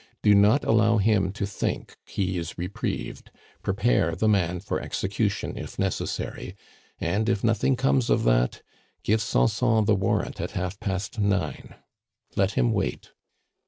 Do not allow him to think he is reprieved; prepare the man for execution if necessary; and if nothing comes of that, give Sanson the warrant at half past nine. Let him wait!"